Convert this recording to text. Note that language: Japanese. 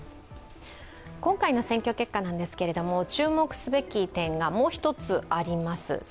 今回の選挙結果なんですけれども、注目すべき点がもう１つあります。